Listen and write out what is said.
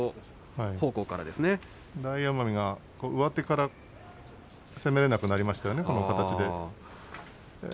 大奄美が上手から攻められなくなりましたね。